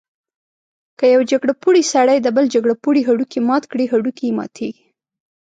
که یو جګپوړی سړی د بل جګپوړي هډوکی مات کړي، هډوکی یې ماتېږي.